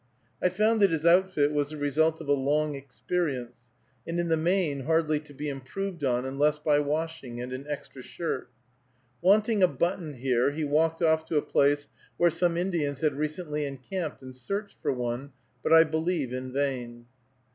I found that his outfit was the result of a long experience, and in the main hardly to be improved on, unless by washing and an extra shirt. Wanting a button here, he walked off to a place where some Indians had recently encamped, and searched for one, but I believe in vain.